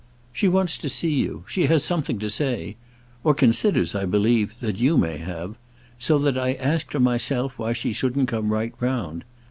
She wants to see you; she has something to say—or considers, I believe, that you may have: so that I asked her myself why she shouldn't come right round.